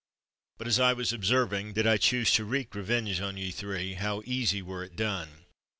But, as I was observing—did I choose to wreak revenge on ye three, how easy were it done!